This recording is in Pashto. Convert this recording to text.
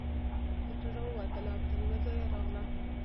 پټه راووتله او تر یوه ځایه راغله.